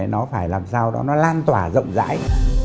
nó phải làm sao đó nó lan tỏa rộng rãi